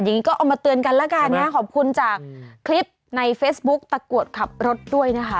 ก็เอามาเตือนกันแล้วกันนะขอบคุณจากคลิปในเฟซบุ๊กตะกรวดขับรถด้วยนะคะ